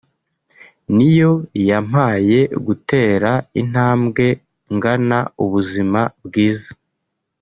niyo yampaye gutera intambwe ngana ubuzima bwiza